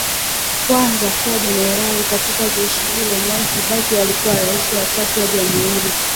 kwanza kuwa jenerali katika jeshi hiloMwai Kibaki alikuwa rais wa tatu wa Jamhuri